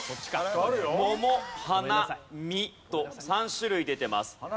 「桃」「花」「実」と３種類出ています。